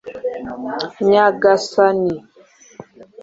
nyagasani